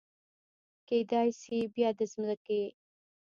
کیدای شي بیا د مځکې